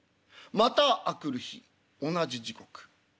また明くる日同じ時刻。